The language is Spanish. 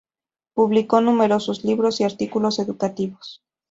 Publicó numerosos libros y artículos educativos.